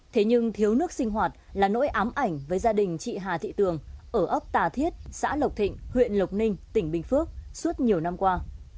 thế nhưng thiếu nước sinh hoạt là nỗi ám ảnh với gia đình chị hà thị tường ở ấp tà thiết xã lộc thịnh huyện lộc ninh tỉnh bình phước suốt nhiều năm qua